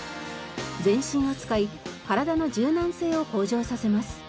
全身を使い体の柔軟性を向上させます。